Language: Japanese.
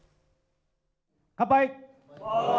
乾杯。